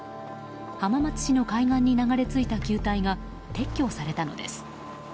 浜松市の海岸に流れ着いた球体が撤去されたのです。